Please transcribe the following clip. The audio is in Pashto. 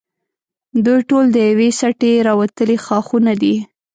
دوی ټول د یوې سټې راوتلي ښاخونه دي.